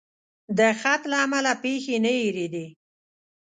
د خط له امله پیښې نه هېرېدې.